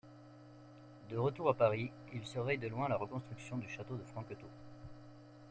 De retour à Paris, il surveille de loin la reconstruction du château de Franquetot.